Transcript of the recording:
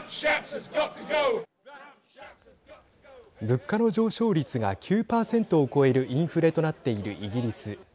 物価の上昇率が９％を超えるインフレとなっているイギリス。